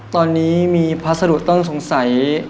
ตอนนี้มีพัสดุต้องสงสัย